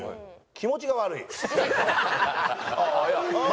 「気持ちが悪い」。